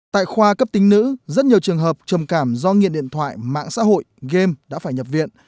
tại khoa cấp tính nữ rất nhiều trường hợp trầm cảm do nghiện điện thoại mạng xã hội game đã phải nhập viện